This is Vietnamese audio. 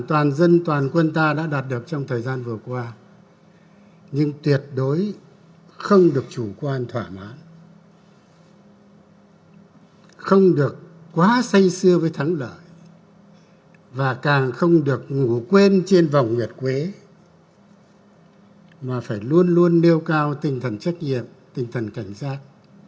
toàn dân toàn quân ta đã đạt được trong thời gian vừa qua nhưng tuyệt đối không được chủ quan thỏa mãn không được quá say xưa với thắng lợi và càng không được ngủ quên trên vòng nguyệt quế mà phải luôn luôn nêu cao tinh thần trách nhiệm tinh thần cảnh giác